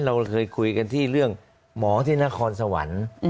เราเคยคุยกันที่เรื่องหมอที่นครสวรรค์